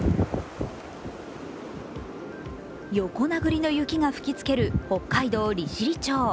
横殴りの雪が吹きつける北海道利尻町。